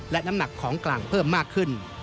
และน้ำหนักของกลางเพิ่มมากขึ้น